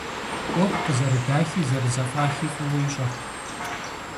Ӏуэху къызэрыдахи зэрызэфӀахи фӀыуэ ищӀэрт.